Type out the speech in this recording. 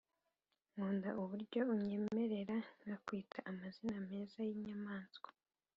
nkunda uburyo unyemerera nkakwita amazina meza yinyamanswa